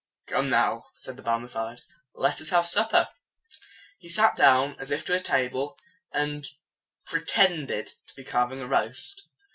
"Come now," said the Barmecide, "let us have supper." He sat down, as if to a table, and pre tend ed to be carving a roast.